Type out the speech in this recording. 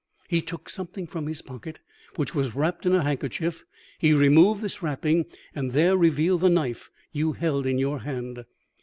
"He took something from his pocket which was wrapped in a handkerchief. He removed this wrapping, and there revealed the knife you held in your hand.